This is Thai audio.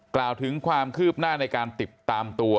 กล่าวถึงความคืบหน้าในการติดตามตัว